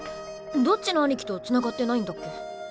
どっちの兄貴とつながってないんだっけ？